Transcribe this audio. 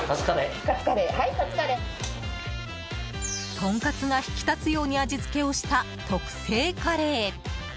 とんかつが引き立つように味付けをした、特製カレー。